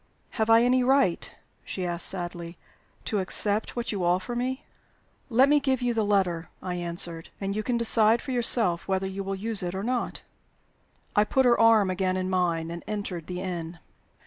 "Have I any right," she asked, sadly, "to accept what you offer me?" "Let me give you the letter," I answered, "and you can decide for yourself whether you will use it or not." I put her arm again in mine, and entered the inn.